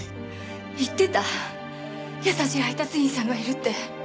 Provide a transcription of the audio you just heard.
言ってた優しい配達員さんがいるって。